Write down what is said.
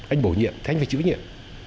anh bổ nhiệm thế anh phải chữ nhiệm